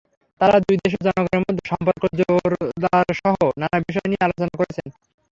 তাঁরা দুই দেশের জনগণের মধ্যে সম্পর্ক জোরদারসহ নানা বিষয় নিয়ে আলোচনা করেছেন।